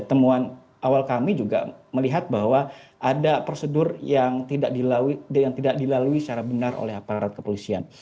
temuan awal kami juga melihat bahwa ada prosedur yang tidak dilalui secara benar oleh aparat kepolisian